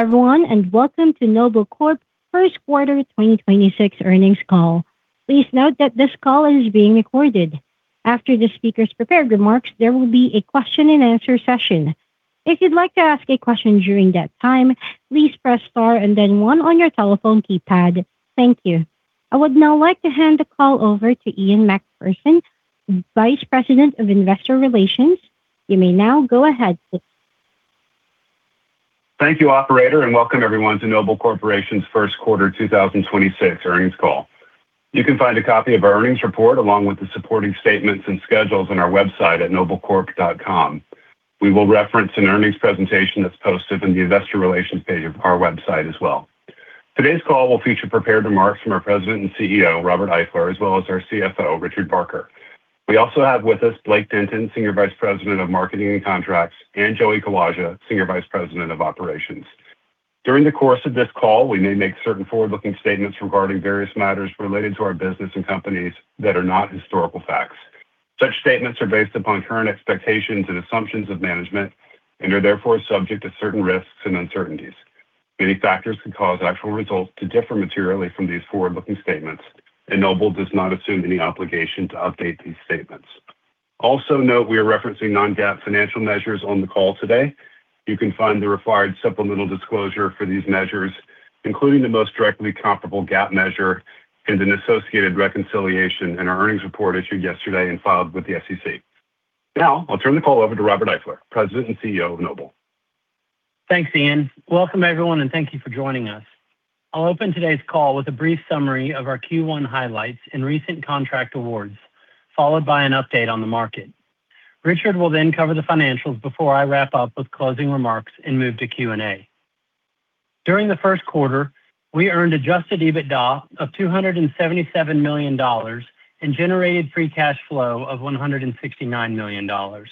Hello everyone, welcome to Noble Corporation's first quarter 2026 earnings call. Please note that this call is being recorded. After the speaker's prepared remarks, there will be a question and answer session. If you'd like to ask a question during that time, please press star and then one on your telephone keypad. Thank you. I would now like to hand the call over to Ian Macpherson, Vice President of Investor Relations. You may now go ahead, sir. Thank you, operator, and welcome everyone to Noble Corporation's first quarter 2026 earnings call. You can find a copy of our earnings report along with the supporting statements and schedules on our website at noblecorp.com. We will reference an earnings presentation that's posted in the investor relations page of our website as well. Today's call will feature prepared remarks from our President and CEO, Robert Eifler, as well as our CFO, Richard Barker. We also have with us Blake Denton, Senior Vice President of Marketing and Contracts, and Joey M. Kawaja, Senior Vice President of Operations. During the course of this call, we may make certain forward-looking statements regarding various matters related to our business and companies that are not historical facts. Such statements are based upon current expectations and assumptions of management and are therefore subject to certain risks and uncertainties. Many factors could cause actual results to differ materially from these forward-looking statements, and Noble does not assume any obligation to update these statements. Also note we are referencing non-GAAP financial measures on the call today. You can find the required supplemental disclosure for these measures, including the most directly comparable GAAP measure and an associated reconciliation in our earnings report issued yesterday and filed with the SEC. Now, I'll turn the call over to Robert Eifler, President and Chief Executive Officer of Noble. Thanks, Ian. Welcome everyone, and thank you for joining us. I'll open today's call with a brief summary of our Q1 highlights and recent contract awards, followed by an update on the market. Richard will cover the financials before I wrap up with closing remarks and move to Q&A. During the first quarter, we earned adjusted EBITDA of $277 million and generated free cash flow of $169 million.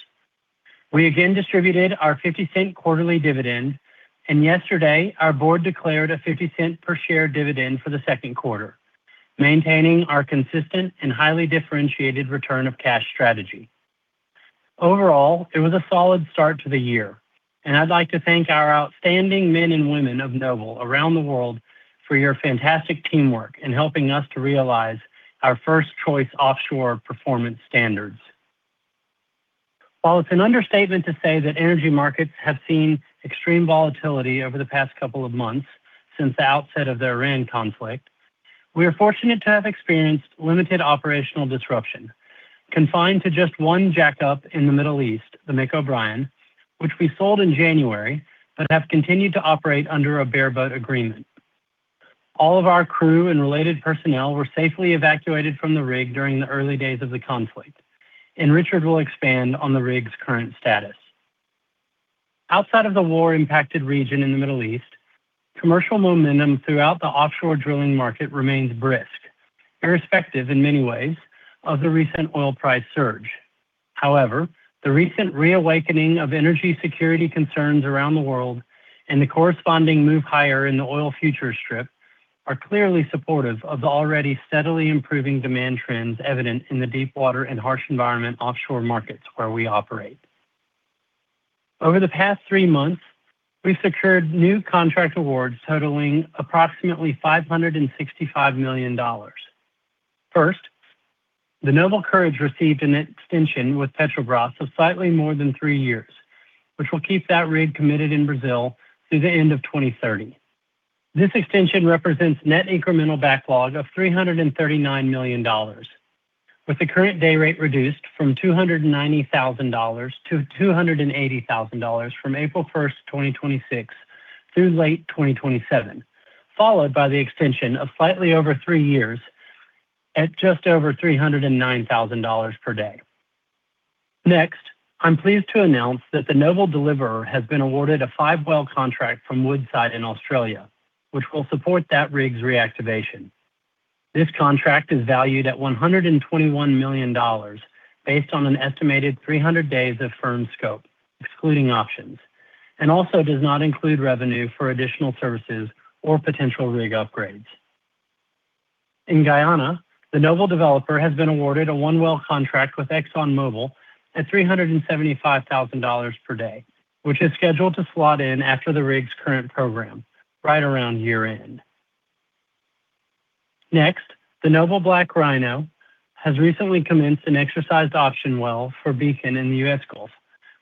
We again distributed our $0.50 quarterly dividend, and yesterday our board declared a $0.50 per share dividend for the second quarter, maintaining our consistent and highly differentiated return of cash strategy. Overall, it was a solid start to the year, and I'd like to thank our outstanding men and women of Noble around the world for your fantastic teamwork in helping us to realize our first choice offshore performance standards. While it's an understatement to say that energy markets have seen extreme volatility over the past couple of months since the outset of the Iran conflict, we are fortunate to have experienced limited operational disruption confined to just one jackup in the Middle East, the Noble Mick O'Brien, which we sold in January, but have continued to operate under a bareboat agreement. All of our crew and related personnel were safely evacuated from the rig during the early days of the conflict. Richard will expand on the rig's current status. Outside of the war-impacted region in the Middle East, commercial momentum throughout the offshore drilling market remains brisk, irrespective in many ways of the recent oil price surge. The recent reawakening of energy security concerns around the world and the corresponding move higher in the oil futures strip are clearly supportive of the already steadily improving demand trends evident in the deep water and harsh environment offshore markets where we operate. Over the past three months, we've secured new contract awards totaling approximately $565 million. First, the Noble Courage received an extension with Petrobras of slightly more than three years, which will keep that rig committed in Brazil through the end of 2030. This extension represents net incremental backlog of $339 million, with the current day rate reduced from $290,000 to $280,000 from April 1st, 2026 through late 2027, followed by the extension of slightly over three years at just over $309,000 per day. I'm pleased to announce that the Noble Deliverer has been awarded a 5-well contract from Woodside in Australia, which will support that rig's reactivation. This contract is valued at $121 million based on an estimated 300 days of firm scope, excluding options, and also does not include revenue for additional services or potential rig upgrades. In Guyana, the Noble Developer has been awarded a one-well contract with ExxonMobil at $375,000 per day, which is scheduled to slot in after the rig's current program right around year-end. Next, the Noble BlackRhino has recently commenced an exercised option well for Beacon in the U.S. Gulf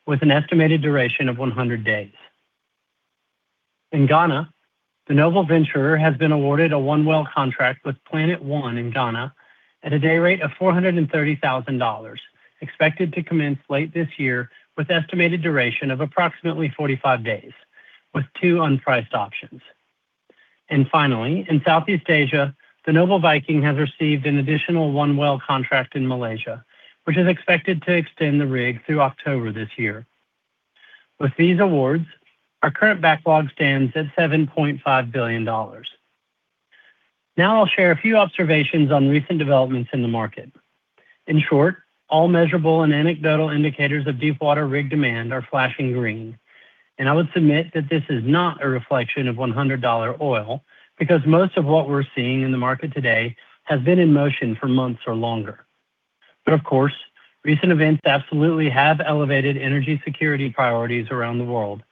with an estimated duration of 100 days. In Ghana, the Noble Venturer has been awarded a one-well contract with Planet One in Ghana at a day rate of $430,000, expected to commence late this year with estimated duration of approximately 45 days with two unpriced options. Finally, in Southeast Asia, the Noble Viking has received an additional one-well contract in Malaysia, which is expected to extend the rig through October this year. With these awards, our current backlog stands at $7.5 billion. Now I'll share a few observations on recent developments in the market. In short, all measurable and anecdotal indicators of deepwater rig demand are flashing green, and I would submit that this is not a reflection of $100 oil because most of what we're seeing in the market today has been in motion for months or longer. Of course, recent events absolutely have elevated energy security priorities around the world,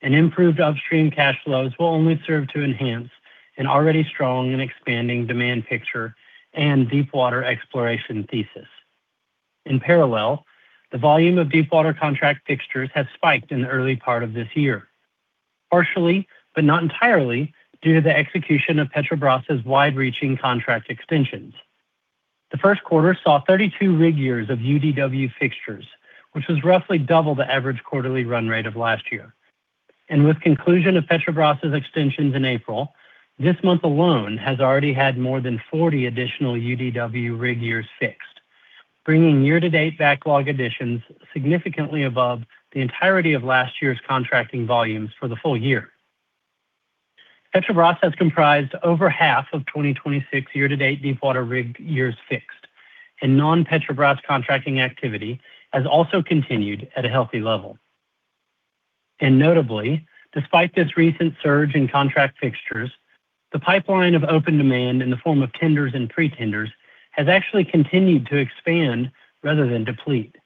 and improved upstream cash flows will only serve to enhance an already strong and expanding demand picture and deepwater exploration thesis. In parallel, the volume of deepwater contract fixtures has spiked in the early part of this year, partially, but not entirely, due to the execution of Petrobras' wide-reaching contract extensions. The first quarter saw 32 rig years of UDW fixtures, which was roughly double the average quarterly run rate of last year. With conclusion of Petrobras' extensions in April, this month alone has already had more than 40 additional UDW rig years fixed, bringing year-to-date backlog additions significantly above the entirety of last year's contracting volumes for the full year. Petrobras has comprised over half of 2026 year-to-date deepwater rig years fixed, and non-Petrobras contracting activity has also continued at a healthy level. Notably, despite this recent surge in contract fixtures, the pipeline of open demand in the form of tenders and pre-tenders has actually continued to expand rather than deplete.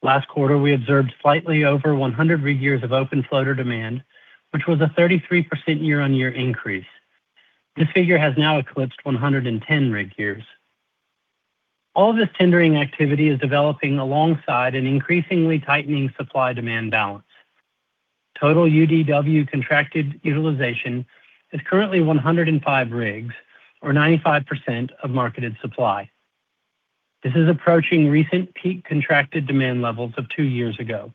Last quarter, we observed slightly over 100 rig years of open floater demand, which was a 33% year-on-year increase. This figure has now eclipsed 110 rig years. All this tendering activity is developing alongside an increasingly tightening supply-demand balance. Total UDW contracted utilization is currently 105 rigs or 95% of marketed supply. This is approaching recent peak contracted demand levels of two years ago,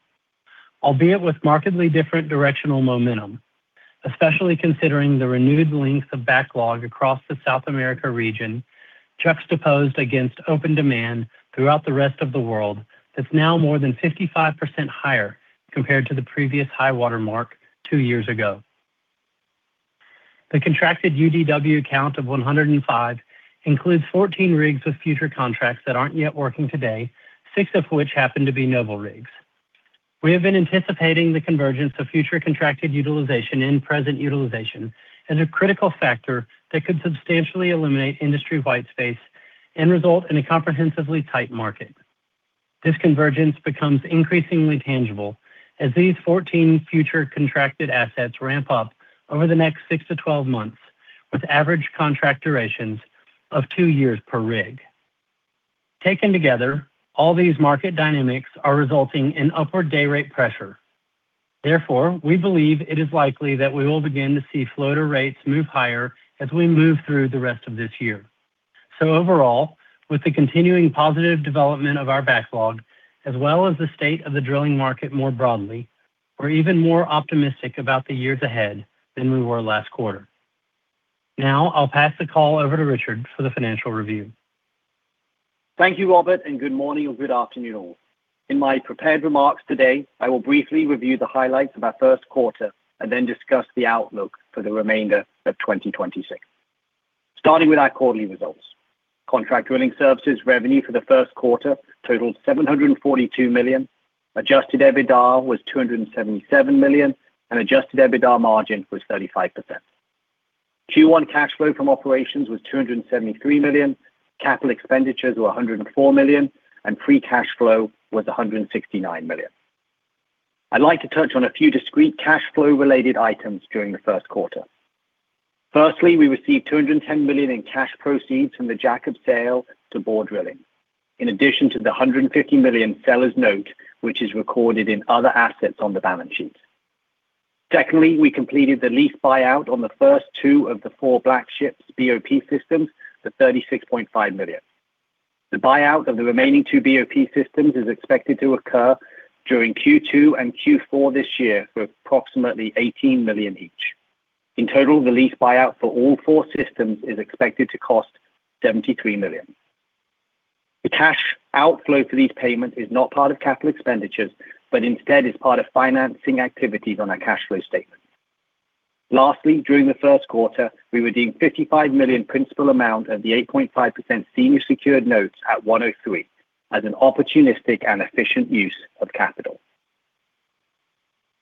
albeit with markedly different directional momentum, especially considering the renewed length of backlog across the South America region, juxtaposed against open demand throughout the rest of the world that's now more than 55% higher compared to the previous high water mark two years ago. The contracted UDW count of 105 includes 14 rigs with future contracts that aren't yet working today, six of which happen to be Noble rigs. We have been anticipating the convergence of future contracted utilization and present utilization as a critical factor that could substantially eliminate industry-wide space and result in a comprehensively tight market. This convergence becomes increasingly tangible as these 14 future contracted assets ramp up over the next 6-12 months with average contract durations of two years per rig. Taken together, all these market dynamics are resulting in upward day rate pressure. We believe it is likely that we will begin to see floater rates move higher as we move through the rest of this year. Overall, with the continuing positive development of our backlog, as well as the state of the drilling market more broadly, we're even more optimistic about the years ahead than we were last quarter. I'll pass the call over to Richard for the financial review. Thank you, Robert, Good morning or good afternoon all. In my prepared remarks today, I will briefly review the highlights of our first quarter and then discuss the outlook for the remainder of 2026. Starting with our quarterly results. Contract drilling services revenue for the first quarter totaled $742 million. Adjusted EBITDA was $277 million, and adjusted EBITDA margin was 35%. Q1 cash flow from operations was $273 million. Capital expenditures were $104 million, and free cash flow was $169 million. I'd like to touch on a few discrete cash flow-related items during the first quarter. Firstly, we received $210 million in cash proceeds from the jackup sale to Borr Drilling. In addition to the $150 million sellers note, which is recorded in other assets on the balance sheet. Secondly, we completed the lease buyout on the first two of the four Black Ships BOP systems for $36.5 million. The buyout of the remaining two BOP systems is expected to occur during Q2 and Q4 this year for approximately $18 million each. In total, the lease buyout for all four systems is expected to cost $73 million. The cash outflow for these payments is not part of capital expenditures, but instead is part of financing activities on our cash flow statement. Lastly, during the first quarter, we redeemed $55 million principal amount of the 8.5% senior secured notes at 103 as an opportunistic and efficient use of capital.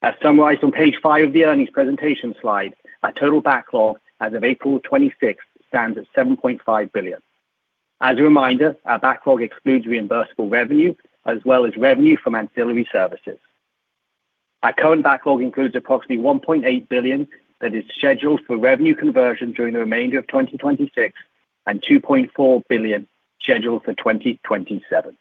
As summarized on page 5 of the earnings presentation slide, our total backlog as of April 26th stands at $7.5 billion. As a reminder, our backlog excludes reimbursable revenue as well as revenue from ancillary services. Our current backlog includes approximately $1.8 billion that is scheduled for revenue conversion during the remainder of 2026 and $2.4 billion scheduled for 2027.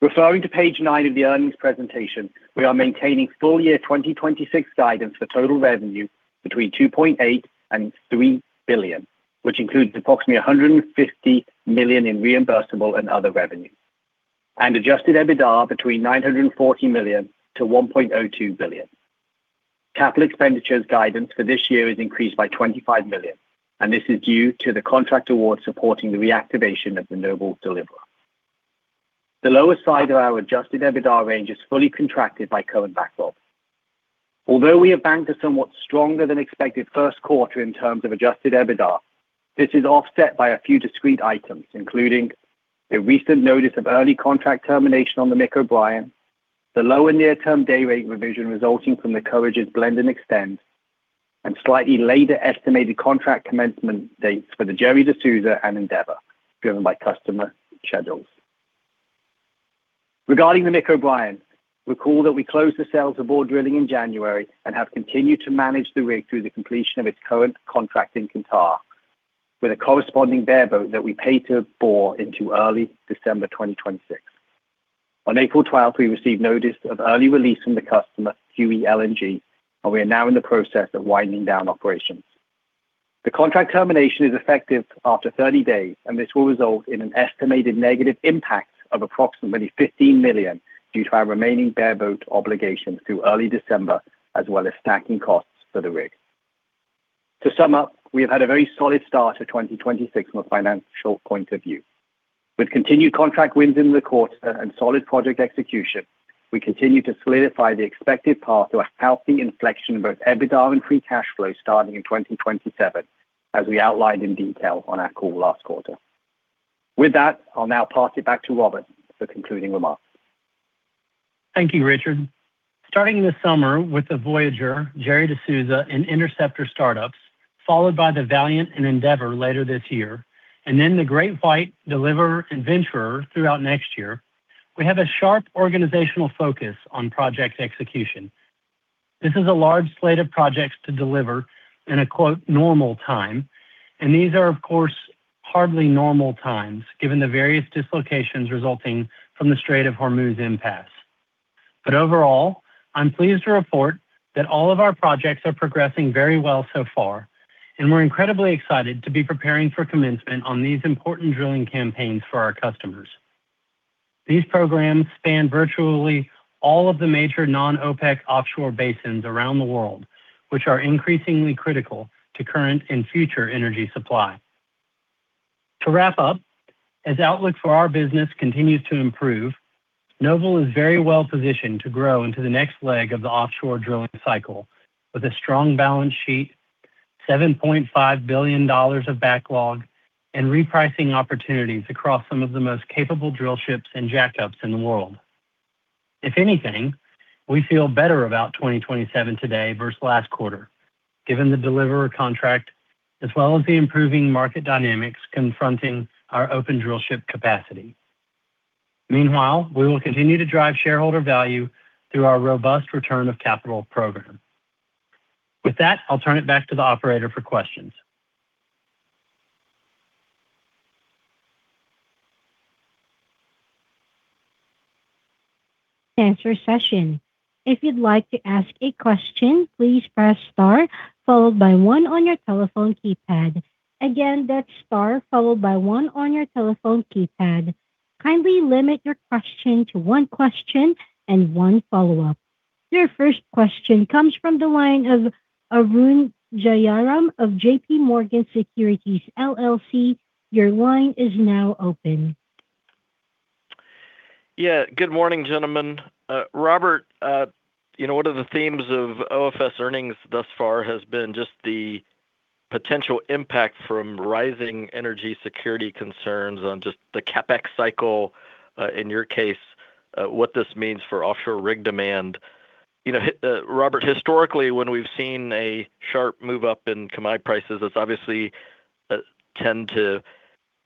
Referring to page nine of the earnings presentation, we are maintaining full-year 2026 guidance for total revenue between $2.8 billion and $3 billion, which includes approximately $150 million in reimbursable and other revenue, and Adjusted EBITDA between $940 million to $1.02 billion. Capital expenditures guidance for this year is increased by $25 million, and this is due to the contract award supporting the reactivation of the Noble Deliverer. The lower side of our adjusted EBITDA range is fully contracted by current backlog. Although we have banked a somewhat stronger than expected first quarter in terms of adjusted EBITDA, this is offset by a few discrete items, including the recent notice of early contract termination on the Noble Mick O'Brien, the lower near-term day rate revision resulting from the Noble Courage's blend and extend. Slightly later estimated contract commencement dates for the Noble Gerry de Souza and Noble Endeavor driven by customer schedules. Regarding the Noble Mick O'Brien, recall that we closed the sales to Borr Drilling in January and have continued to manage the rig through the completion of its current contract in Qatar with a corresponding bareboat that we pay to Borr into early December 2026. On April 12th, we received notice of early release from the customer, Huey LNG, and we are now in the process of winding down operations. The contract termination is effective after 30 days. This will result in an estimated negative impact of approximately $15 million due to our remaining bareboat obligations through early December as well as stacking costs for the rig. To sum up, we have had a very solid start to 2026 from a financial point of view. With continued contract wins in the quarter and solid project execution, we continue to solidify the expected path to a healthy inflection in both EBITDA and free cash flow starting in 2027, as we outlined in detail on our call last quarter. With that, I'll now pass it back to Robert for concluding remarks. Thank you, Richard. Starting this summer with the Voyager, Noble Gerry de Souza, and Interceptor startups, followed by the Valiant and Endeavor later this year, and then the GreatWhite Deliverer and Venturer throughout next year, we have a sharp organizational focus on project execution. This is a large slate of projects to deliver in a quote normal time, and these are of course hardly normal times given the various dislocations resulting from the Strait of Hormuz impasse. Overall, I'm pleased to report that all of our projects are progressing very well so far, and we're incredibly excited to be preparing for commencement on these important drilling campaigns for our customers. These programs span virtually all of the major non-OPEC offshore basins around the world, which are increasingly critical to current and future energy supply. To wrap up, as outlook for our business continues to improve, Noble is very well positioned to grow into the next leg of the offshore drilling cycle with a strong balance sheet, $7.5 billion of backlog and repricing opportunities across some of the most capable drill ships and jackups in the world. If anything, we feel better about 2027 today versus last quarter, given the Deliverer contract as well as the improving market dynamics confronting our open drill ship capacity. Meanwhile, we will continue to drive shareholder value through our robust return of capital program. With that, I'll turn it back to the operator for questions. Answer session. If you'd like to ask a question, please press star followed by one on your telephone keypad. Again, that's star followed by one on your telephone keypad. Kindly limit your question to one question and one follow-up. Your first question comes from the line of Arun Jayaram of JPMorgan Securities LLC. Your line is now open. Good morning, gentlemen. Robert, you know, one of the themes of OFS earnings thus far has been just the potential impact from rising energy security concerns on just the CapEx cycle. In your case, what this means for offshore rig demand. You know, Robert, historically, when we've seen a sharp move up in commodity prices, it's obviously, tend to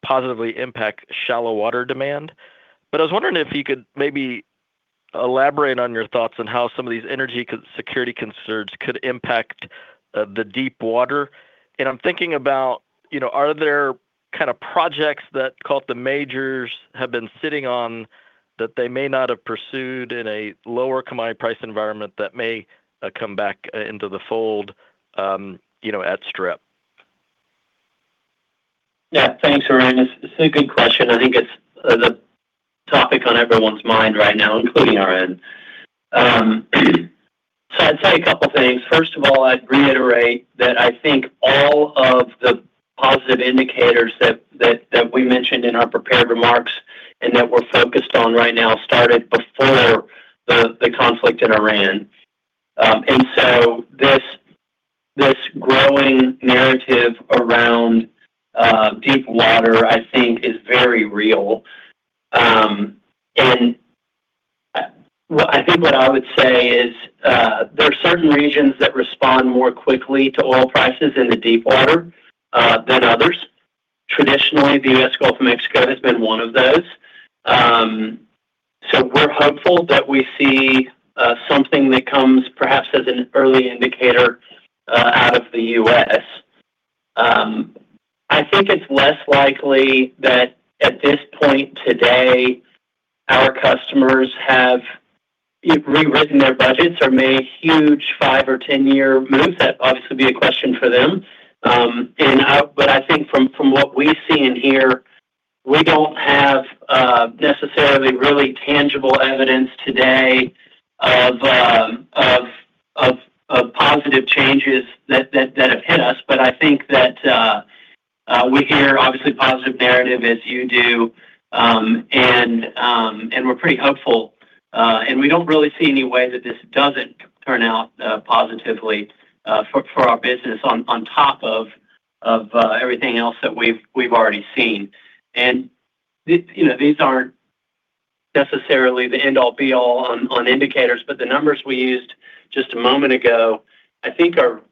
positively impact shallow water demand. I was wondering if you could maybe elaborate on your thoughts on how some of these energy security concerns could impact the deepwater. I'm thinking about, you know, are there kind of projects that, call it the majors, have been sitting on that they may not have pursued in a lower commodity price environment that may come back into the fold, you know, at strip? Yeah. Thanks, Arun. It's a good question. I think it's the topic on everyone's mind right now, including our end. I'd say a couple things. First of all, I'd reiterate that I think all of the positive indicators that we mentioned in our prepared remarks and that we're focused on right now started before the conflict in Iran. This growing narrative around deep water, I think, is very real. What I would say is there are certain regions that respond more quickly to oil prices in the deep water than others. Traditionally, the U.S. Gulf of Mexico has been one of those. We're hopeful that we see something that comes perhaps as an early indicator out of the U.S. I think it's less likely that at this point today, our customers have re-written their budgets or made huge five or 10-year moves. That obviously would be a question for them. I think from what we've seen here, we don't have necessarily really tangible evidence today of positive changes that have hit us. I think that we hear obviously positive narrative as you do. We're pretty hopeful. We don't really see any way that this doesn't turn out positively for our business on top of everything else that we've already seen. Necessarily the end all be all on indicators, but the numbers we used just a moment ago, I think are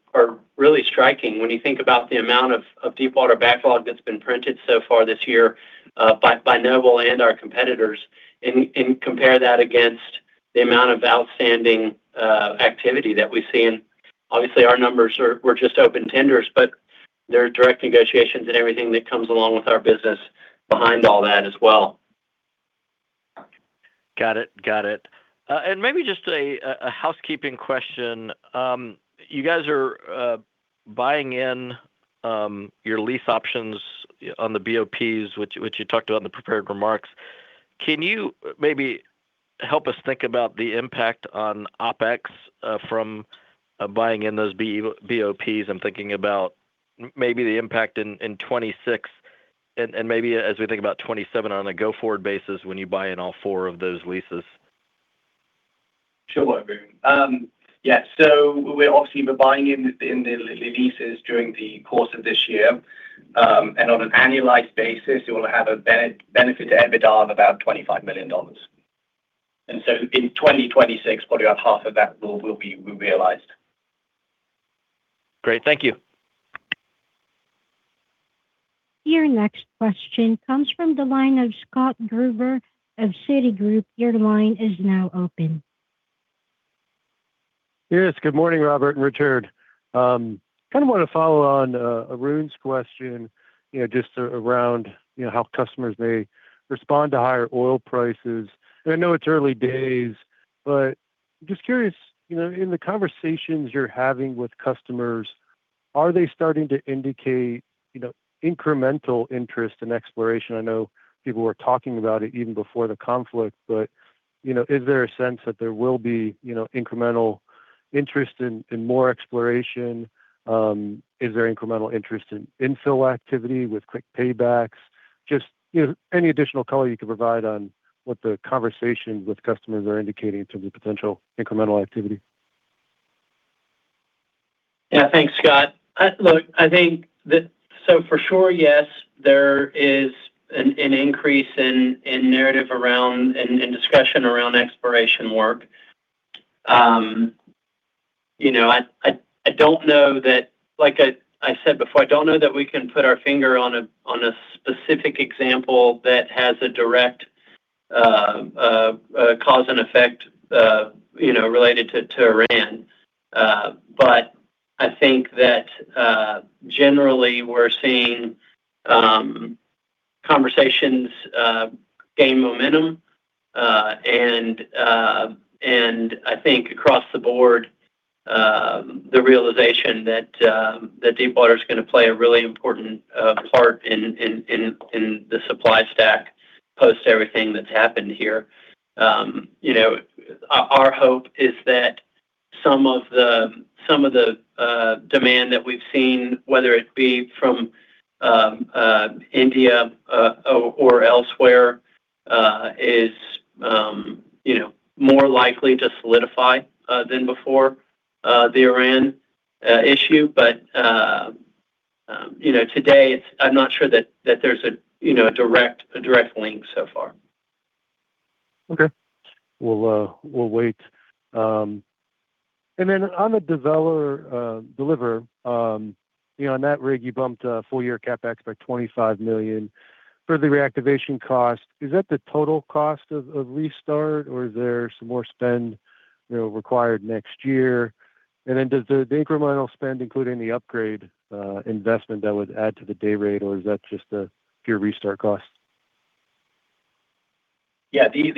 really striking when you think about the amount of Deepwater backlog that's been printed so far this year, by Noble and our competitors and compare that against the amount of outstanding activity that we see. Obviously our numbers were just open tenders, but there are direct negotiations and everything that comes along with our business behind all that as well. Got it. Maybe just a housekeeping question. You guys are buying in your lease options on the BOPs, which you talked about in the prepared remarks. Can you maybe help us think about the impact on OpEx from buying in those BOPs? I'm thinking about maybe the impact in 2026 and maybe as we think about 2027 on a go-forward basis when you buy in all four of those leases. Sure. Yeah. We're obviously buying in the leases during the course of this year. On an annualized basis, it will have a benefit to EBITDA of about $25 million. In 2026, probably about half of that will be realized. Great. Thank you. Your next question comes from the line of Scott Gruber of Citigroup. Your line is now open. Yes. Good morning, Robert and Richard. kind of want to follow on Arun's question, you know, just around, you know, how customers may respond to higher oil prices. I know it's early days, but just curious, you know, in the conversations you're having with customers, are they starting to indicate, you know, incremental interest in exploration? I know people were talking about it even before the conflict, but, you know, is there a sense that there will be, you know, incremental interest in more exploration? Is there incremental interest in infill activity with quick paybacks? Just, you know, any additional color you can provide on what the conversations with customers are indicating in terms of potential incremental activity. Thanks, Scott. Look, I think that for sure, yes, there is an increase in narrative around and discussion around exploration work. You know, I don't know that like I said before, I don't know that we can put our finger on a specific example that has a direct cause and effect, you know, related to Iran. I think that generally we're seeing conversations gain momentum, and I think across the board, the realization that Deepwater is gonna play a really important part in the supply stack post everything that's happened here. you know, our hope is that some of the demand that we've seen, whether it be from India, or elsewhere, is, you know, more likely to solidify than before the Iran issue. you know, today it's. I'm not sure that there's a, you know, a direct link so far. Okay. We'll wait. On the Noble Deliverer, you know, on that rig, you bumped full year CapEx by $25 million. For the reactivation cost, is that the total cost of restart or is there some more spend, you know, required next year? Does the incremental spend include any upgrade investment that would add to the day rate, or is that just the pure restart cost? Yeah. The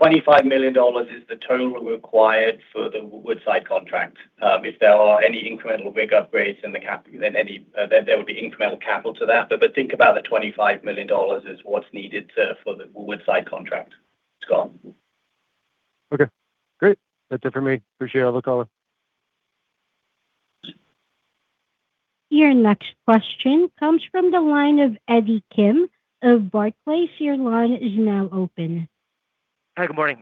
$25 million is the total required for the Woodside contract. If there are any incremental rig upgrades in the cap, then there would be incremental capital to that. Think about the $25 million is what's needed for the Woodside contract, Scott. Okay. Great. That's it for me. Appreciate it. Have a good holiday. Your next question comes from the line of Eddie Kim of Barclays. Your line is now open. Hi. Good morning.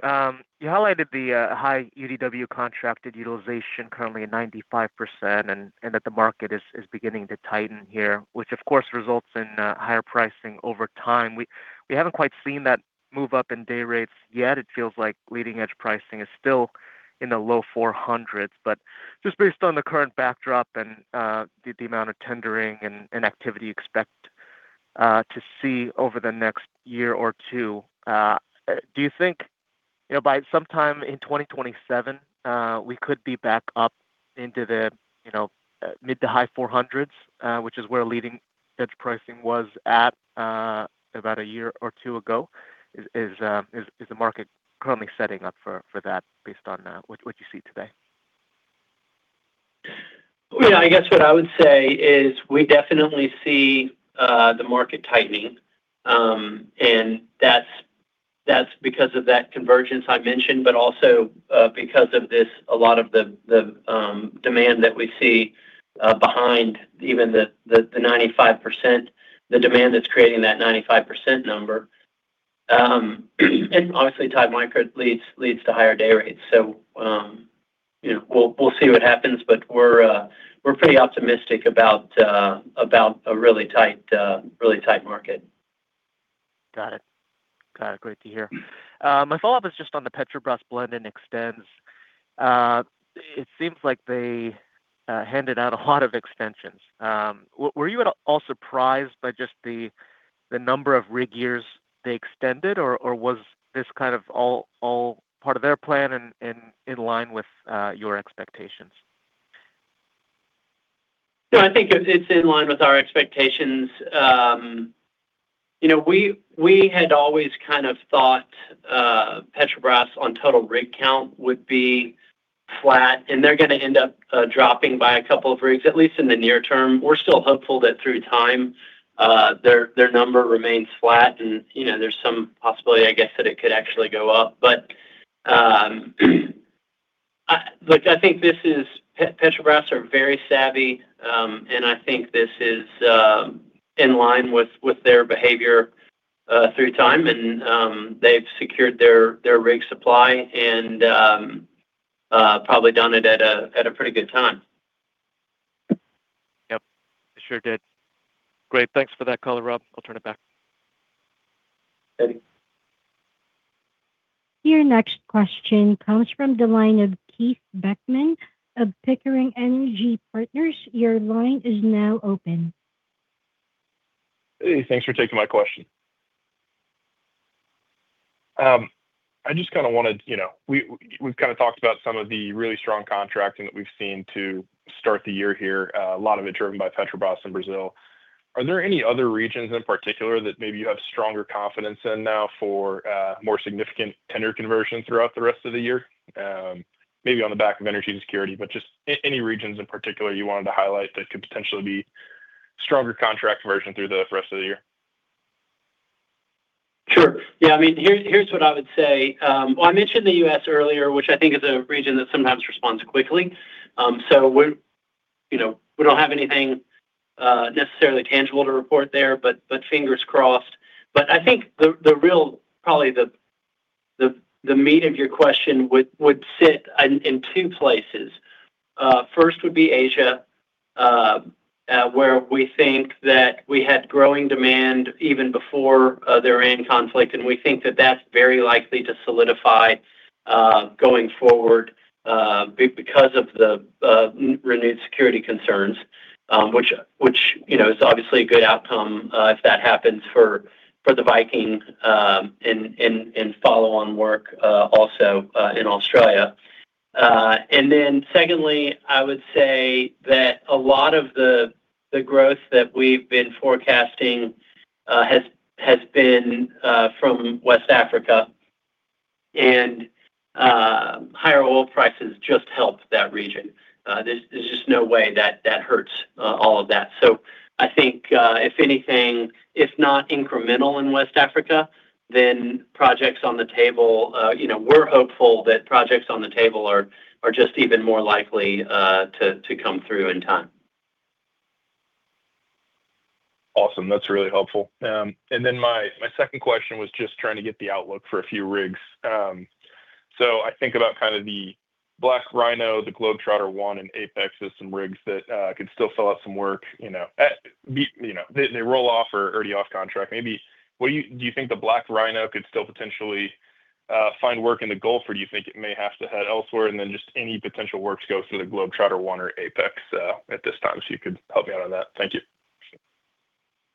You highlighted the high UDW contracted utilization currently at 95% and that the market is beginning to tighten here, which of course results in higher pricing over time. We haven't quite seen that move up in day rates yet. It feels like leading edge pricing is still in the low $400s. Just based on the current backdrop and the amount of tendering and activity you expect to see over the next year or two, do you think, you know, by sometime in 2027, we could be back up into the, you know, mid to high $400s, which is where leading edge pricing was at about a year or two ago? Is the market currently setting up for that based on what you see today? Yeah. I guess what I would say is we definitely see the market tightening, that's because of that convergence I mentioned, but also because of this, a lot of the demand that we see behind even the 95%, the demand that's creating that 95% number. Obviously tight market leads to higher day rates. You know, we'll see what happens, but we're pretty optimistic about a really tight market. Got it. Got it. Great to hear. Uh, my follow-up is just on the Petrobras blend and extends. Uh, it seems like they, uh, handed out a lot of extensions. Um, w-were you at a-- all surprised by just the number of rig years they extended or was this kind of all part of their plan and in line with, uh, your expectations? No, I think it's in line with our expectations. You know, we had always kind of thought, Petrobras on total rig count would be flat, and they're gonna end up, dropping by a couple of rigs, at least in the near term. We're still hopeful that through time, their number remains flat and, you know, there's some possibility, I guess, that it could actually go up. I look, I think this is Petrobras are very savvy, and I think this is in line with their behavior, through time and, they've secured their rig supply and, probably done it at a, at a pretty good time. Yep. They sure did. Great. Thanks for that color, Rob. I'll turn it back. Eddie. Your next question comes from the line of Keith Beckmann of Pickering Energy Partners. Your line is now open. Hey, thanks for taking my question. We've kinda talked about some of the really strong contracting that we've seen to start the year here, a lot of it driven by Petrobras in Brazil. Are there any other regions in particular that maybe you have stronger confidence in now for more significant tender conversion throughout the rest of the year? Maybe on the back of energy security, but just any regions in particular you wanted to highlight that could potentially be stronger contract conversion through the rest of the year? Sure. Yeah, I mean, here's what I would say. Um, well, I mentioned the US earlier, which I think is a region that sometimes responds quickly. Um, so we're, you know, we don't have anything, uh, necessarily tangible to report there, but fingers crossed. But I think the real, probably the, the meat of your question would sit in two places. Uh, first would be Asia, um, uh, where we think that we had growing demand even before, uh, their end conflict, and we think that that's very likely to solidify, uh, going forward, uh, be-because of the renewed security concerns, um, which, you know, is obviously a good outcome, uh, if that happens for the Viking, um, in, in follow-on work, uh, also, uh, in Australia. Secondly, I would say that a lot of the growth that we've been forecasting has been from West Africa. Higher oil prices just help that region. There's just no way that that hurts all of that. I think, if anything, if not incremental in West Africa, then projects on the table, you know, we're hopeful that projects on the table are just even more likely to come through in time. Awesome. That's really helpful. My, my second question was just trying to get the outlook for a few rigs. I think about kind of the Noble BlackRhino, the Noble Globetrotter I, and Ocean Apex as some rigs that could still fill out some work, you know, you know, they roll off or already off contract. Maybe Do you think the Noble BlackRhino could still potentially find work in the Gulf, or do you think it may have to head elsewhere? Just any potential works go through the Noble Globetrotter I or Ocean Apex at this time? You could help me out on that. Thank you.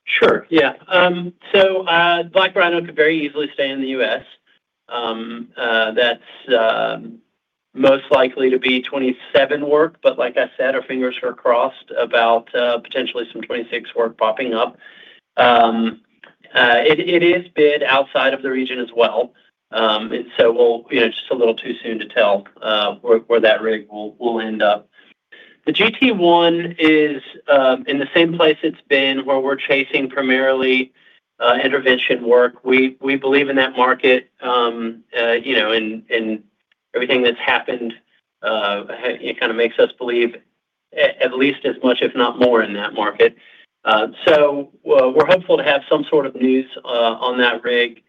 Sure. Yeah. Noble BlackRhino could very easily stay in the U.S. That's most likely to be 2027 work. Like I said, our fingers are crossed about potentially some 2026 work popping up. It is bid outside of the region as well. We'll, you know, just a little too soon to tell where that rig will end up. The GT-I is in the same place it's been where we're chasing primarily intervention work. We believe in that market, you know, and everything that's happened, it kinda makes us believe at least as much, if not more, in that market. We're hopeful to have some sort of news on that rig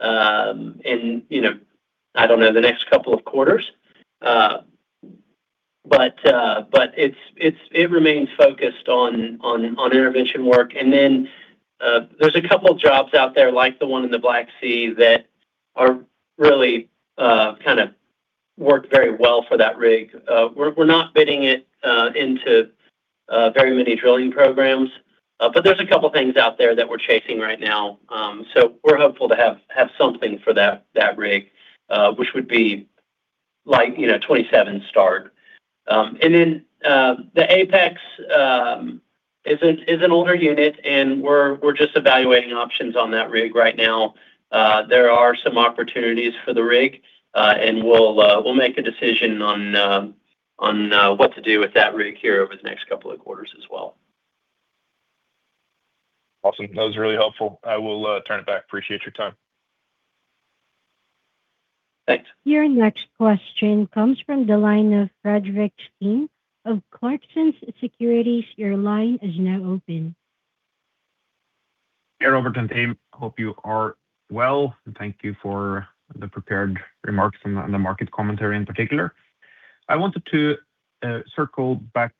in, you know, I don't know, the next couple of quarters. But it remains focused on intervention work. There's two jobs out there like the one in the Black Sea that are really kind of work very well for that rig. We're not bidding it into very many drilling programs. But there's two things out there that we're chasing right now. We're hopeful to have something for that rig, which would be like, you know, 2027 start. The Apex is an older unit, and we're just evaluating options on that rig right now. There are some opportunities for the rig, and we'll make a decision on what to do with that rig here over the next two quarters as well. Awesome. That was really helpful. I will turn it back. Appreciate your time. Thanks. Your next question comes from the line of Fredrik Stene of Clarksons Securities. Your line is now open. Yeah, Overton team, hope you are well, and thank you for the prepared remarks and the, and the market commentary in particular. I wanted to, uh, circle back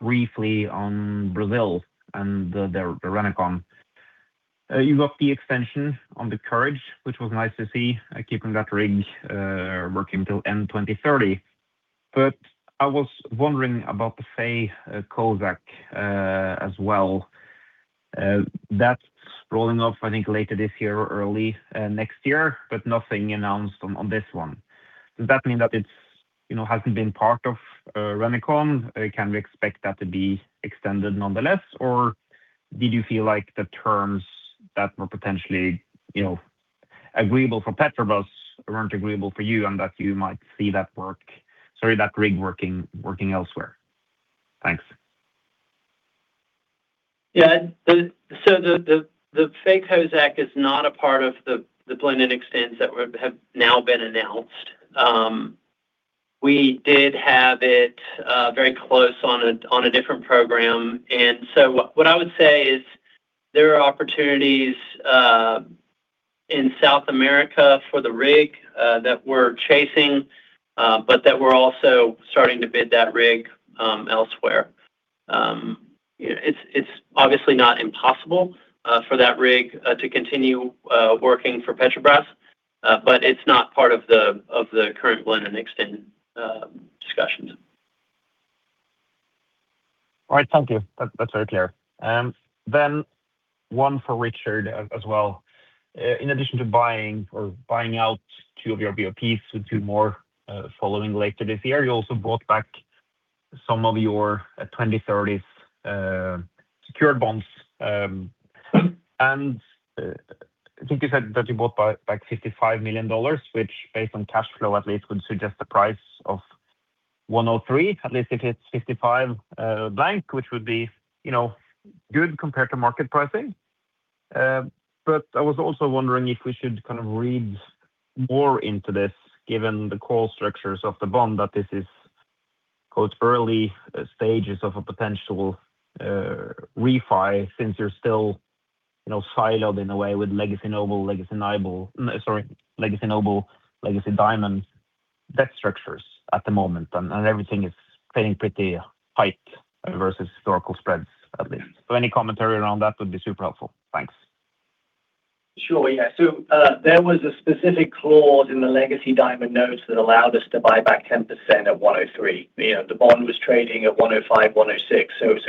briefly on Brazil and the Rincon. Uh, you got the extension on the Courage, which was nice to see, uh, keeping that rig, uh, working till end twenty-thirty. But I was wondering about the Noble Faye Kozack, uh, as well. Uh, that's rolling off, I think, later this year or early, uh, next year, but nothing announced on this one. Does that mean that it's, you know, hasn't been part of, uh, Rincon? Uh, can we expect that to be extended nonetheless? Or did you feel like the terms that were potentially, you know, agreeable for Petrobras weren't agreeable for you and that you might see that work-- sorry, that rig working elsewhere? Thanks. Yeah. The Faye Kozack is not a part of the blend and extends that would have now been announced. We did have it very close on a different program. What I would say is there are opportunities in South America for the rig that we're chasing, but that we're also starting to bid that rig elsewhere. It's obviously not impossible for that rig to continue working for Petrobras, but it's not part of the current blend and extend discussions. All right. Thank you. That's very clear. One for Richard as well. In addition to buying or buying out two of your BOPs with two more following later this year, you also bought back some of your 2030s secured bonds. I think you said that you bought back, like, $55 million, which based on cash flow at least would suggest the price of 103, at least if it's 55 blank, which would be, you know, good compared to market pricing. I was also wondering if we should kind of read more into this, given the call structures of the bond, that this is quotes, early stages of a potential refi, since you're still, you know, siloed in a way with legacy Noble, legacy Noble. Sorry, legacy Noble, Legacy Diamond debt structures at the moment, and everything is staying pretty tight versus historical spreads at least. Any commentary around that would be super helpful. Thanks. Sure. Yeah. There was a specific clause in the Legacy Diamond notes that allowed us to buy back 10% at $103. You know, the bond was trading at $105, $106.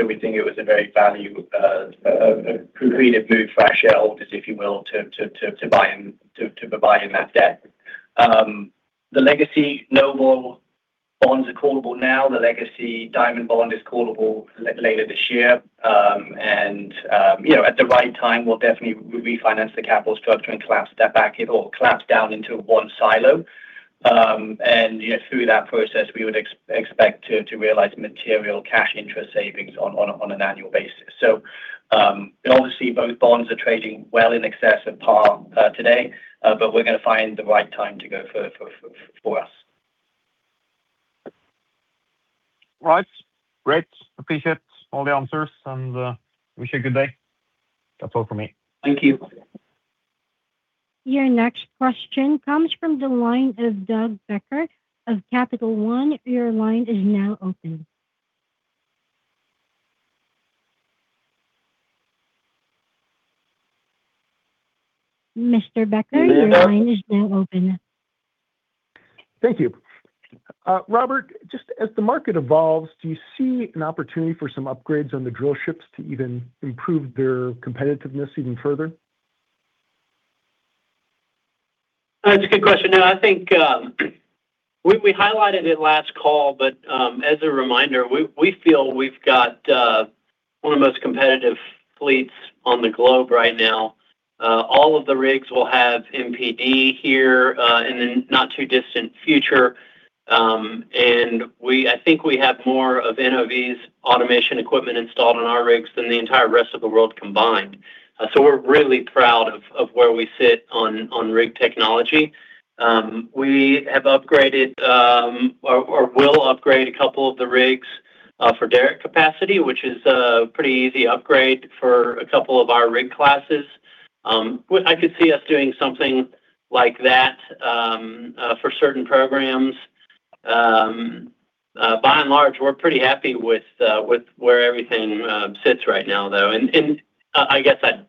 We think it was a very value creative move for our shareholders, if you will, to buy in that debt. The Legacy Noble bonds are callable now. The Legacy Diamond bond is callable later this year. You know, at the right time, we'll definitely refinance the capital structure and collapse that down into one silo. You know, through that process, we would expect to realize material cash interest savings on an annual basis. So, um, obviously, both bonds are trading well in excess of par, uh, today, uh, but we're gonna find the right time to go for, for us. Right. Great. Appreciate all the answers and, uh, wish you a good day. That's all for me. Thank you. Your next question comes from the line of Doug Becker of Capital One. Your line is now open. Mr. Becker, your line is now open. Thank you. Uh, Robert, just as the market evolves, do you see an opportunity for some upgrades on the drill ships to even improve their competitiveness even further? That's a good question. No, I think, um, we highlighted it last call, but, um, as a reminder, we feel we've got, uh, one of the most competitive fleets on the globe right now. Uh, all of the rigs will have MPD here, uh, in the n-not too distant future. Um, and we-- I think we have more of NOV's automation equipment installed on our rigs than the entire rest of the world combined. Uh, so we're really proud of where we sit on rig technology. Um, we have upgraded, um, or will upgrade a couple of the rigs, uh, for derrick capacity, which is a pretty easy upgrade for a couple of our rig classes. Um, I could see us doing something like that, um, uh, for certain programs. Um, uh, by and large, we're pretty happy with, uh, with where everything, um, sits right now, though. And, and I guess I'd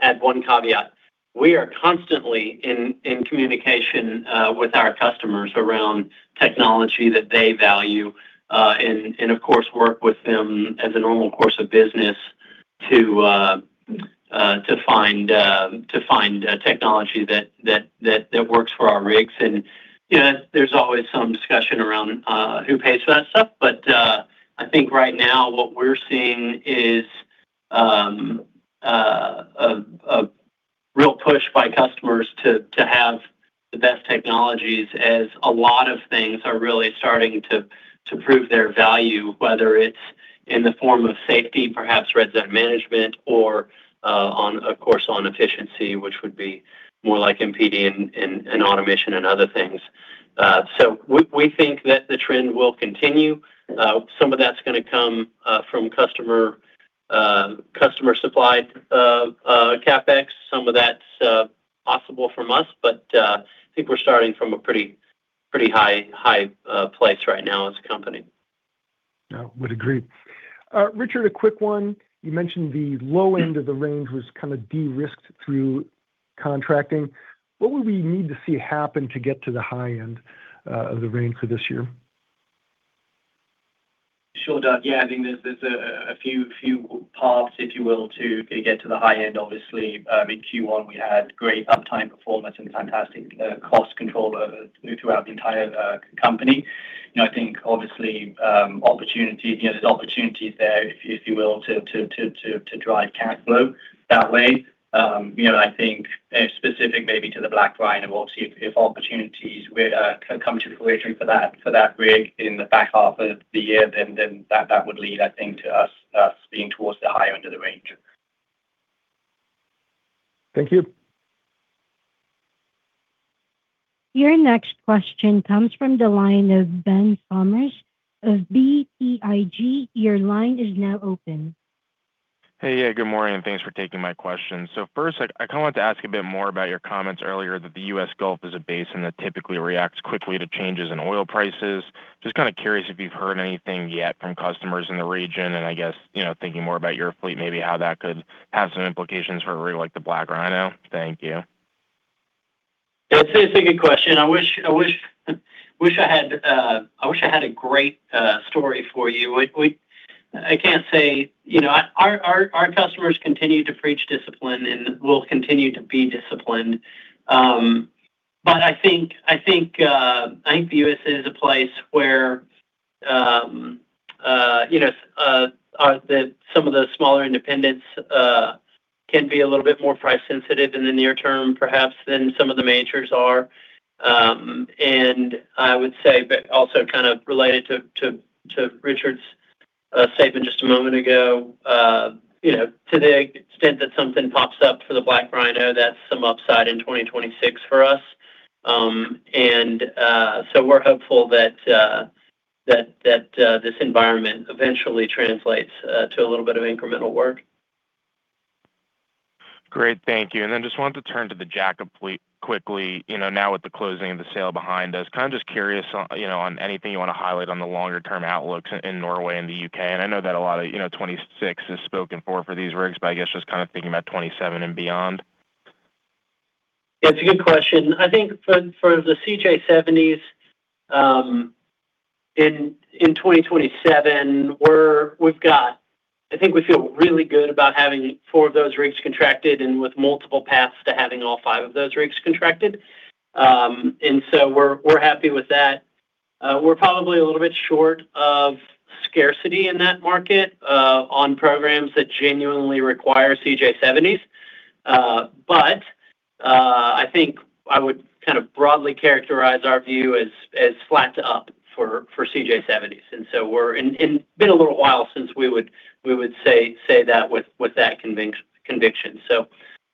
add one caveat. We are constantly in communication, uh, with our customers around technology that they value, uh, and of course, work with them as a normal course of business to, uh, to find, uh, to find a technology that, that works for our rigs. And, you know, there's always some discussion around, uh, who pays for that stuff. I think right now what we're seeing is a real push by customers to have the best technologies as a lot of things are really starting to prove their value, whether it's in the form of safety, perhaps red zone management, or on a course on efficiency, which would be more like MPD and automation and other things. We think that the trend will continue. Some of that's gonna come from customer customer-supplied CapEx. Some of that's possible from us, but, I think we're starting from a pretty high, high place right now as a company. Yeah. Would agree. Uh, Richard, a quick one. You mentioned the low end of the range was kind of de-risked through contracting. What would we need to see happen to get to the high end, uh, of the range for this year? Sure, Doug. Yeah, I think there's a few paths, if you will, to get to the high end. Obviously, uh, in Q1, we had great uptime performance and fantastic, uh, cost control, uh, through-throughout the entire, uh, company. You know, I think, obviously, um, opportunity, you know, there's opportunities there, if you, if you will, to, to, to drive cash flow that way. Um, you know, I think if specific maybe to the BlackRhino, we'll see if opportunities were to come to fruition for that, for that rig in the back half of the year, then that would lead, I think, to us being towards the high end of the range. Thank you. Your next question comes from the line of Ben Summers of BTIG. Your line is now open. Hey. Yeah, good morning, and thanks for taking my question. So first, I kind of wanted to ask a bit more about your comments earlier that the US Gulf is a basin that typically reacts quickly to changes in oil prices. Just kind of curious if you've heard anything yet from customers in the region, and I guess, you know, thinking more about your fleet, maybe how that could have some implications for a rig like the Black Rhino. Thank you. It's a, it's a good question. I wish, I wish I had, uh... I wish I had a great, uh, story for you. We, we... I can't say... You know, our, our customers continue to preach discipline and will continue to be disciplined. Um, but I think, I think, uh, I think the US is a place where, um, uh, you know, s- uh, the... some of the smaller independents, uh, can be a little bit more price sensitive in the near term perhaps than some of the majors are. Um, and I would say, but also kind of related to, to Richard's, uh, statement just a moment ago, uh, you know, to the extent that something pops up for the Black Rhino, that's some upside in twenty twenty-six for us. Um, and, uh, so we're hopeful that, uh, that, uh, this environment eventually translates, uh, to a little bit of incremental work. Great. Thank you. And then just wanted to turn to the Jack up fleet quickly. You know, now with the closing of the sale behind us, kind of just curious on, you know, on anything you wanna highlight on the longer term outlooks in Norway and the UK. And I know that a lot of, you know, 2026 is spoken for for these rigs, but I guess just kind of thinking about 2027 and beyond. Yeah. It's a good question. I think for the CJ seventies, um, in 2027, we're-- we've got... I think we feel really good about having four of those rigs contracted and with multiple paths to having all five of those rigs contracted. Um, and so we're happy with that. Uh, we're probably a little bit short of scarcity in that market, uh, on programs that genuinely require CJ seventies. Uh, but, uh, I think I would kind of broadly characterize our view as flat to up for CJ seventies. And so we're... And, and been a little while since we would, we would say that with that convinct- conviction, so,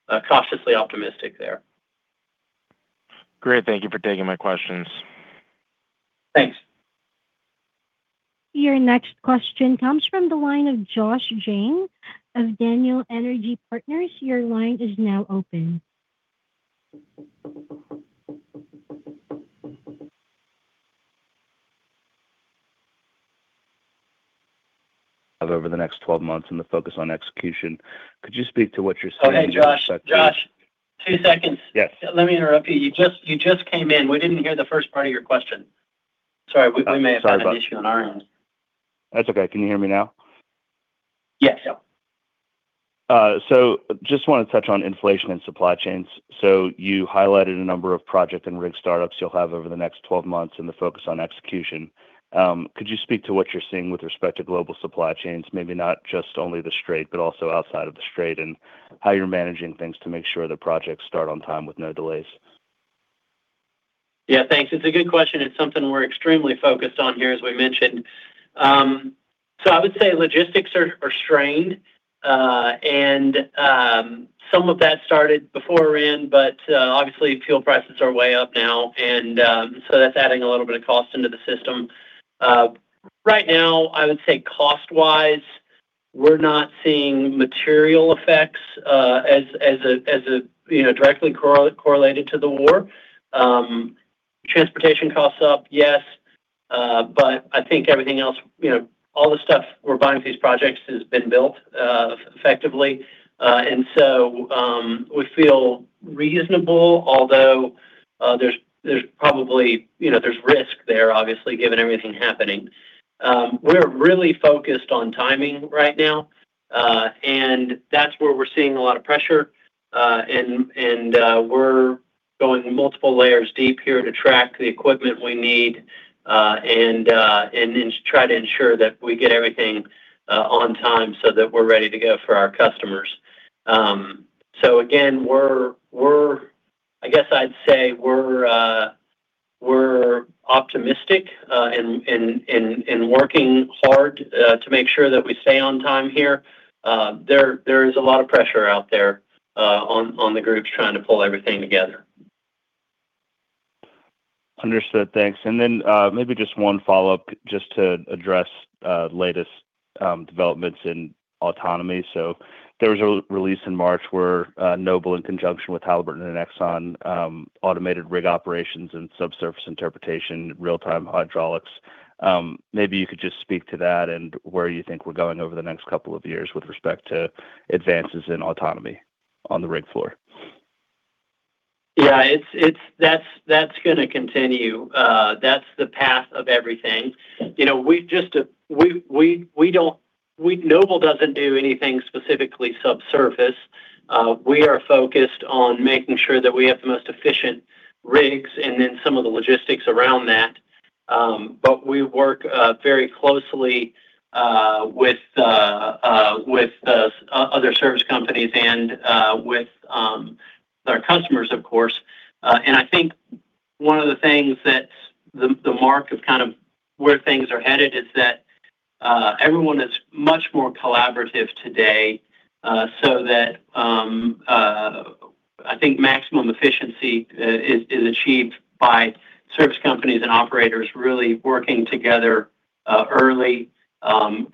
uh, cautiously optimistic there. Great. Thank you for taking my questions. Thanks. Your next question comes from the line of Josh Jayne of Daniel Energy Partners. Your line is now open. Of over the next 12 months and the focus on execution. Could you speak to what you're seeing with respect to. Okay, Josh. Josh, 2 sec. Yes. Let me interrupt you. You just came in. We didn't hear the first part of your question. Sorry. Oh, sorry about that. an issue on our end. That's okay. Can you hear me now? Yes. Yeah. Just wanted to touch on inflation and supply chains. You highlighted a number of project and rig startups you'll have over the next 12 months and the focus on execution. Could you speak to what you're seeing with respect to global supply chains, maybe not just only the Strait, but also outside of the Strait, and how you're managing things to make sure the projects start on time with no delays? Yeah. Thanks. It's a good question. It's something we're extremely focused on here, as we mentioned. I would say logistics are strained. Some of that started before we're in, but obviously fuel prices are way up now and that's adding a little bit of cost into the system. Right now, I would say cost-wise, we're not seeing material effects, you know, directly correlated to the war. Transportation costs up, yes. I think everything else, you know, all the stuff we're buying for these projects has been built effectively. We feel reasonable, although there's probably, you know, risk there, obviously, given everything happening. We're really focused on timing right now, that's where we're seeing a lot of pressure. We're going multiple layers deep here to track the equipment we need and then try to ensure that we get everything on time so that we're ready to go for our customers. Again, we're I guess I'd say we're optimistic and working hard to make sure that we stay on time here. There is a lot of pressure out there on the groups trying to pull everything together. Understood. Thanks. Maybe just one follow-up just to address latest developments in autonomy. There was a re-release in March where Noble in conjunction with Halliburton and Exxon automated rig operations and subsurface interpretation, real-time hydraulics. Maybe you could just speak to that and where you think we're going over the next couple of years with respect to advances in autonomy on the rig floor. Yeah. That's gonna continue. That's the path of everything. You know, we just Noble doesn't do anything specifically subsurface. We are focused on making sure that we have the most efficient rigs and then some of the logistics around that. We work very closely with other service companies and with our customers, of course. I think one of the things that the mark of kind of where things are headed is that everyone is much more collaborative today so that I think maximum efficiency is achieved by service companies and operators really working together early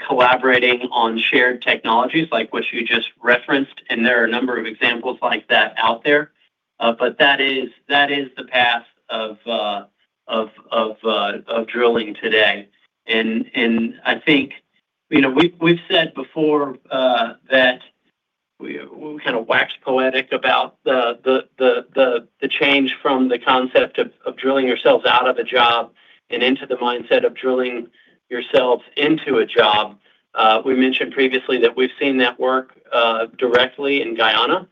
collaborating on shared technologies like what you just referenced, and there are a number of examples like that out there. That is, that is the path of drilling today. I think, you know, we've said before that we kind of wax poetic about the change from the concept of drilling yourselves out of a job and into the mindset of drilling yourselves into a job. We mentioned previously that we've seen that work directly in Guyana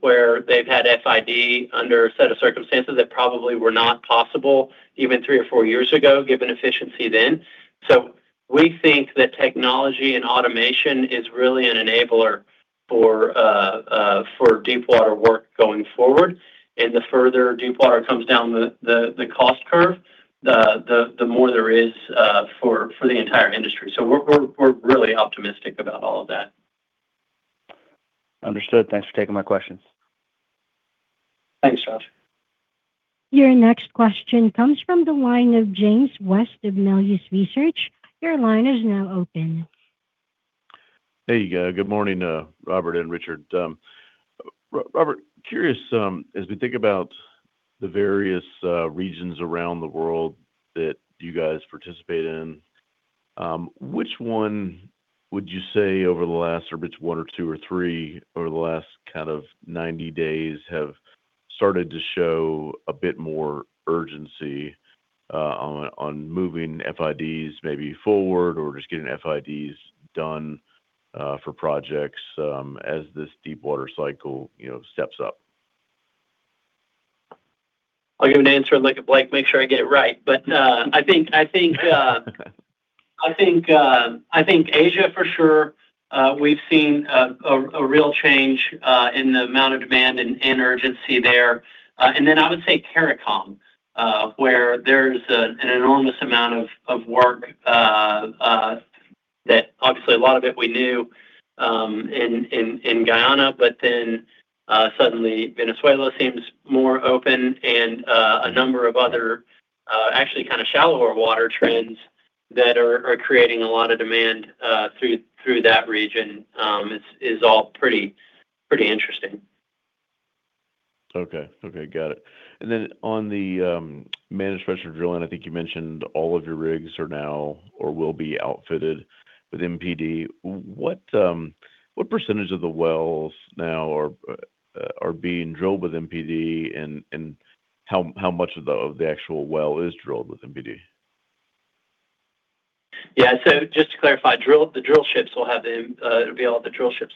where they've had FID under a set of circumstances that probably were not possible even three or four years ago, given efficiency then. We think that technology and automation is really an enabler for deepwater work going forward. The further deepwater comes down the cost curve, the more there is for the entire industry. We're really optimistic about all of that. Understood. Thanks for taking my questions. Thanks, Josh. Your next question comes from the line of James West of Melius Research. Your line is now open. Hey. Good morning, Robert and Richard. Robert, curious, as we think about the various regions around the world that you guys participate in, which one would you say over the last, or if it's one or two or three, over the last kind of 90 days have started to show a bit more urgency on moving FIDs maybe forward or just getting FIDs done for projects, as this deepwater cycle, you know, steps up? I'll give an answer and Blake Denton, make sure I get it right. I think. Okay... I think, I think Asia for sure, we've seen a real change in the amount of demand and urgency there. I would say CARICOM, where there's an enormous amount of work that obviously a lot of it we knew in Guyana, but then suddenly Venezuela seems more open and a number of other actually kind of shallower water trends that are creating a lot of demand through that region is all pretty interesting. Okay. Okay. Got it. On the managed pressure drilling, I think you mentioned all of your rigs are now or will be outfitted with MPD. What percentage of the wells now are being drilled with MPD and how much of the actual well is drilled with MPD? Yeah. Just to clarify, it'll be all the drill ships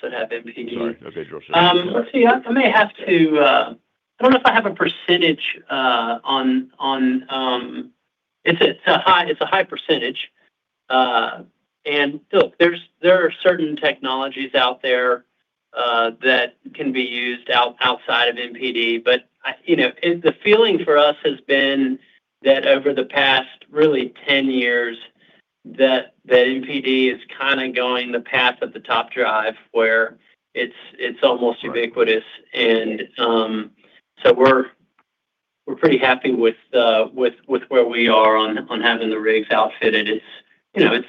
that have MPD. Sorry. Okay. Drill ships. Yeah. Let's see. I may have to. I don't know if I have a percentage on. It's a high percentage. Look, there are certain technologies out there that can be used outside of MPD. I, you know, the feeling for us has been that over the past really 10 years, that MPD is kinda going the path of the top drive where it's almost ubiquitous. We're pretty happy with where we are on having the rigs outfitted. It's, you know, a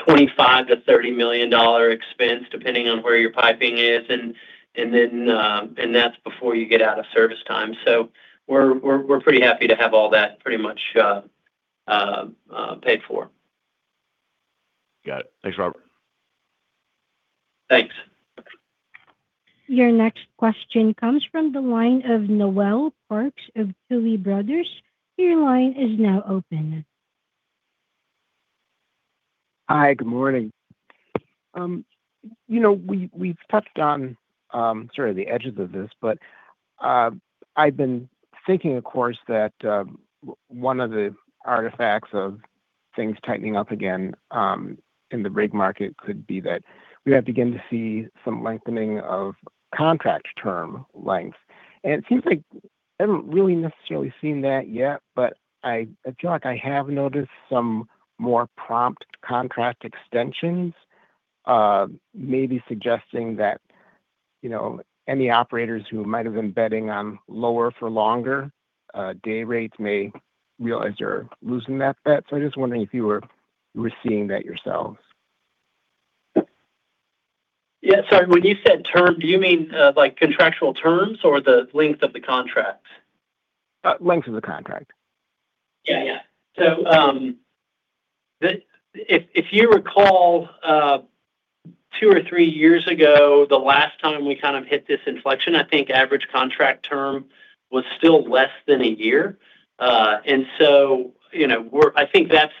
$25 million-$30 million expense depending on where your piping is and then, that's before you get out of service time. We're pretty happy to have all that pretty much paid for. Got it. Thanks, Robert. Thanks. Your next question comes from the line of Noel Parks of Tuohy Brothers. Your line is now open. Hi. Good morning. You know, we've touched on, sort of the edges of this, but, I've been thinking of course that, one of the artifacts of things tightening up again, in the rig market could be that we have begun to see some lengthening of contract term length. It seems like I haven't really necessarily seen that yet, but I feel like I have noticed some more prompt contract extensions, maybe suggesting that, you know, any operators who might have been betting on lower for longer day rates may realize they're losing that bet. I'm just wondering if you were seeing that yourselves. Yeah, sorry. When you said term, do you mean like contractual terms or the length of the contract? length of the contract. Yeah. Yeah. If you recall, two or three years ago, the last time we kind of hit this inflection, I think average contract term was still less than a year. You know, I think that's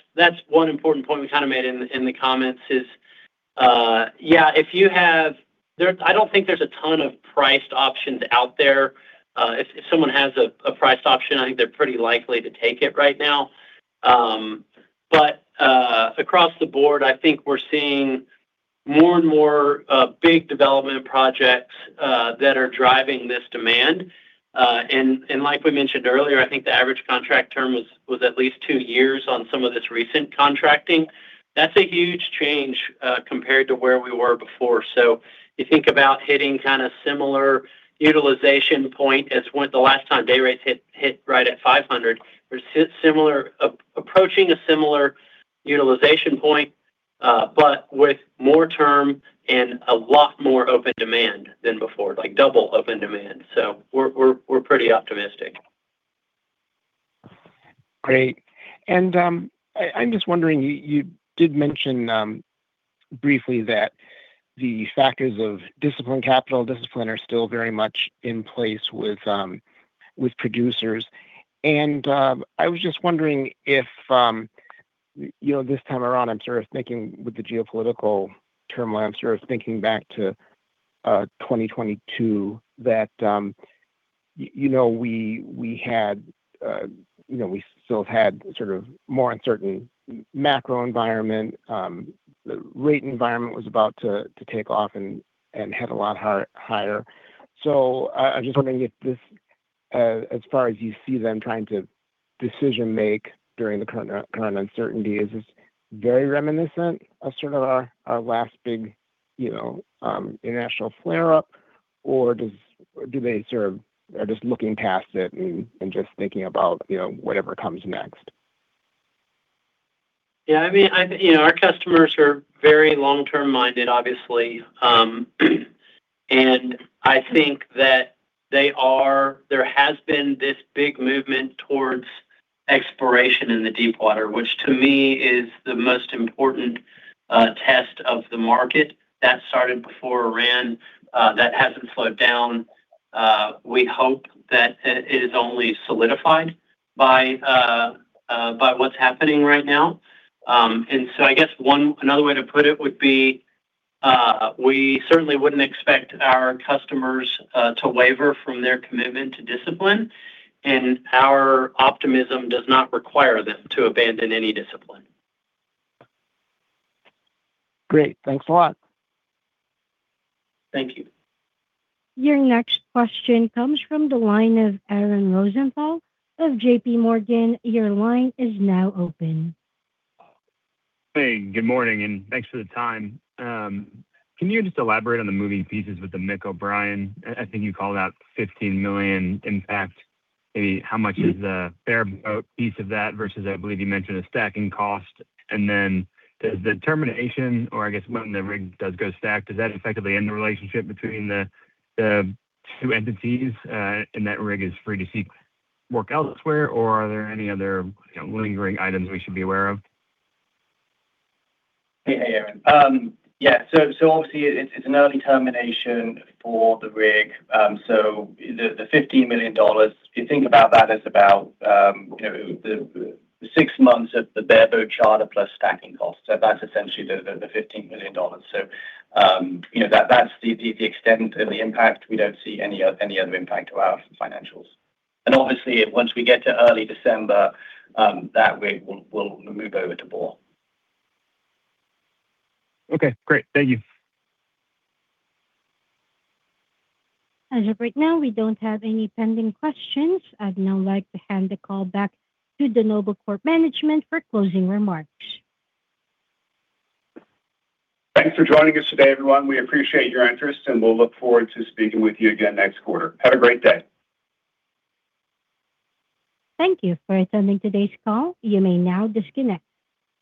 one important point we kind of made in the comments is, yeah, if you have. I don't think there's a ton of priced options out there. If someone has a priced option, I think they're pretty likely to take it right now. Across the board, I think we're seeing more and more big development projects that are driving this demand. Like we mentioned earlier, I think the average contract term was at least two years on some of this recent contracting. That's a huge change compared to where we were before. You think about hitting kinda similar utilization point as when the last time day rates hit right at 500. We're approaching a similar utilization point, but with more term and a lot more open demand than before, like double open demand. We're pretty optimistic. Great. I'm just wondering, you did mention briefly that the factors of discipline, capital discipline are still very much in place with producers. I was just wondering if, you know, this time around, I'm sort of thinking with the geopolitical turmoil, I'm sort of thinking back to 2022 that, you know, we had, you know, we still had sort of more uncertain macro environment. The rate environment was about to take off and head a lot higher. I'm just wondering if this, as far as you see them trying to decision make during the current uncertainty, is this very reminiscent of sort of our last big, you know, international flare-up, or does do they sort of are just looking past it and just thinking about, you know, whatever comes next? Yeah, I mean, I, you know, our customers are very long-term minded, obviously. I think that they are. There has been this big movement towards exploration in the deepwater, which to me is the most important test of the market. That started before Iran. That hasn't slowed down. We hope that it is only solidified by what's happening right now. I guess another way to put it would be, we certainly wouldn't expect our customers to waver from their commitment to discipline, and our optimism does not require them to abandon any discipline. Great. Thanks a lot. Thank you. Your next question comes from the line of Aaron Rosenthal of J.P. Morgan. Your line is now open. Hey, good morning, and thanks for the time. Can you just elaborate on the moving pieces with the Mick O'Brien? I think you called out $15 million impact. Maybe how much is the bareboat piece of that versus I believe you mentioned a stacking cost. Does the termination or I guess when the rig does go stacked, does that effectively end the relationship between the two entities, and that rig is free to seek work elsewhere, or are there any other, you know, lingering items we should be aware of? Aaron. Obviously it's an early termination for the rig. The $15 million, if you think about that, is about, you know, the six months of the bareboat charter plus stacking costs. That's essentially the $15 million. You know, that's the extent and the impact. We don't see any other impact to our financials. Obviously, once we get to early December, that rig will move over to Borr. Okay, great. Thank you. As of right now, we don't have any pending questions. I'd now like to hand the call back to the Noble Corporation management for closing remarks. Thanks for joining us today, everyone. We appreciate your interest, and we'll look forward to speaking with you again next quarter. Have a great day. Thank you for attending today's call. You may now disconnect.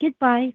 Goodbye.